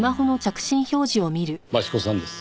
益子さんです。